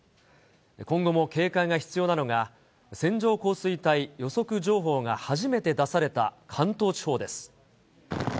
今後も警戒が必要なのが、線状降水帯予測情報が初めて出された関東地方です。